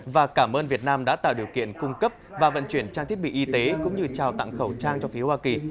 và cảm ơn việt nam đã tạo điều kiện cung cấp và vận chuyển trang thiết bị y tế cũng như trao tặng khẩu trang cho phía hoa kỳ